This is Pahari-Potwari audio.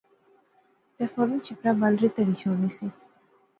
تہ فورا چھپرا بل ری تہری شوڑنی سی